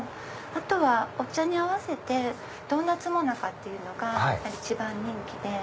あとはお茶に合わせてドーナツモナカっていうのが一番人気で。